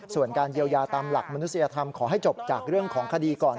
ส่วนการเยียวยาตามหลักมนุษยธรรมขอให้จบจากเรื่องของคดีก่อน